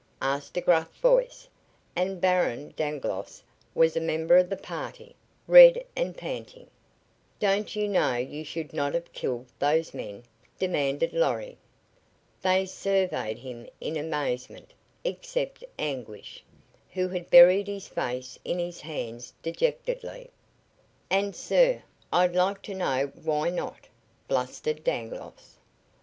asked a gruff voice, and Baron Dangloss was a member of the party, red and panting. "Don't you know you should not have killed those men?" demanded Lorry. They surveyed him in amazement, except Anguish, who had buried his face in his hands dejectedly. "And, sir, I'd like to know why not?" blustered Dangloss.